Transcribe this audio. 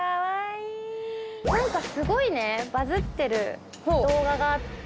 何かすごいねバズってる動画があって。